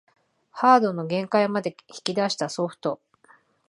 ハードの限界まで引き出したソフト